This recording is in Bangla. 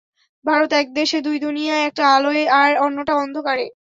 ভারত, এক দেশে দুই দুনিয়া, একটা আলোয়, আর অন্যটা অন্ধকারে।